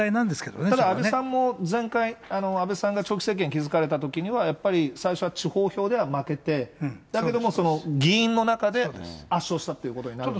ただ、安倍さんも前回、安倍さんが長期政権築かれたときには、やっぱり、最初は地方票では負けて、だけども議員の中で圧勝したっていうことになるんで。